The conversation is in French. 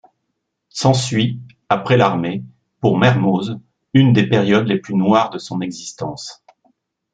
S'ensuit, après l'armée, pour Mermoz, une des périodes les plus noires de son existence.